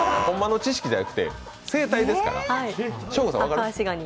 ほんまの知識じゃなくて生態ですから。